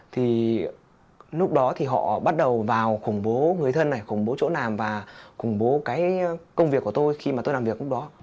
thì lúc đó thì họ bắt đầu vào khủng bố người thân này khủng bố chỗ nàm và khủng bố cái công việc của tôi khi mà tôi làm việc lúc đó